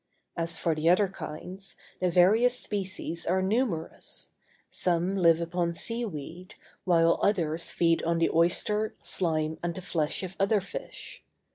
As for the other kinds, the various species are numerous; some live upon sea weed, while others feed on the oyster, slime, and the flesh of other fish.